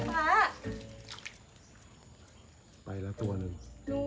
ไปละตัวนึง